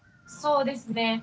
そうですね。